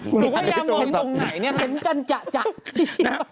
คุณก็ยังมองไหนเนี่ยเต็มกันจัก